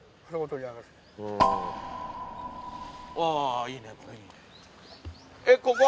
ああいいね。